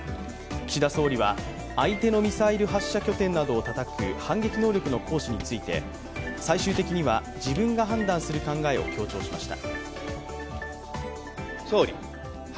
岸田総理は、相手のミサイル発射拠点などをたたく反撃能力の行使について最終的には自分が判断する考えを強調しました。